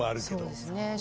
そうですね。